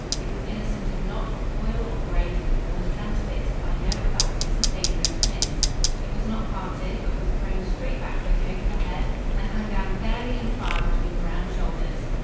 It was innocent of knot or coil or braid, and was transfixed by no abatis of dangerous pins. It was not parted but was thrown straight backward over the head and hung down fairly and far between brown shoulders.